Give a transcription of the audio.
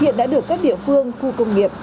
hiện đã được các địa phương khu công nghiệp